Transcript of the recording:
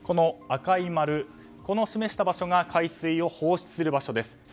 赤い丸で示した場所が海水を放出する場所です。